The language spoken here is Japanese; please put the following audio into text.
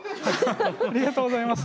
ありがとうございます。